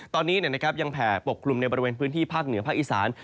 ตอนนี้ยังแผ่ปกคลุมในบริเวณพื้นที่ภาคเหนือภาคอีสาน